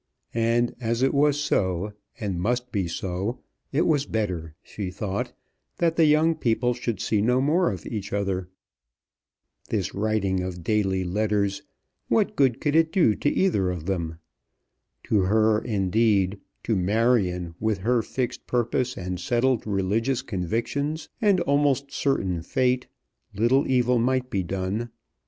And, as it was so, and must be so, it was better, she thought, that the young people should see no more of each other. This writing of daily letters, what good could it do to either of them? To her indeed, to Marion, with her fixed purpose, and settled religious convictions, and almost certain fate, little evil might be done.